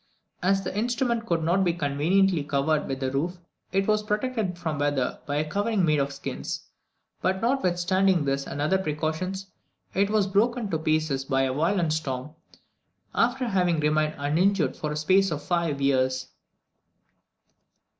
As the instrument could not be conveniently covered with a roof, it was protected from the weather by a covering made of skins, but notwithstanding this and other precautions, it was broken to pieces by a violent storm, after having remained uninjured for the space of five years.